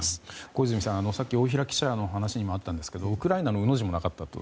小泉さん、さっき大平記者の話にもあったんですがウクライナのウの字もなかったと。